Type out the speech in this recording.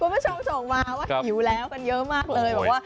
คุณผู้ชมส่งมาว่าหิวแล้วกันเยอะมากเลยบอกว่า